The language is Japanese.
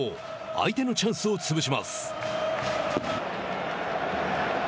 相手のチャンスを潰します。